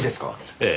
ええ。